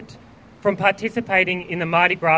dari berpartisipasi di parade mardi gras